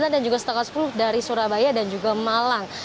dan juga setengah sepuluh dari surabaya dan juga malang